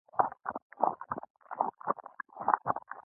د یاګانو کارونه ډېره ده ځکه يې زده کړه هم اړینه ده